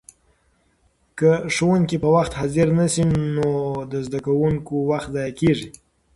که ښوونکي په وخت حاضر نه شي نو د زده کوونکو وخت ضایع کېږي.